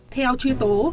theo truy tố